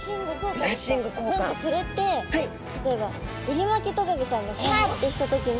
何かそれって例えばエリマキトカゲちゃんがシャー！ってした時の。